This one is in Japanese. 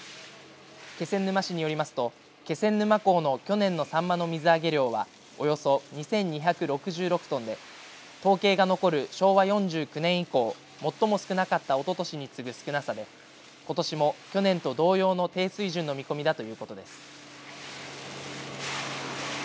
気仙沼市によりますと気仙沼港の去年のさんまの水揚げ量はおよそ２２６６トンで統計が残る昭和４９年以降最も少なかったおととしに次ぐ少なさでことしも去年と同様の低水準の見込みだということです。